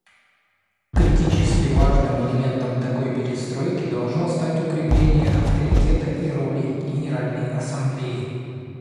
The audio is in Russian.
Критически важным элементом такой перестройки должно стать укрепление авторитета и роли Генеральной Ассамблеи.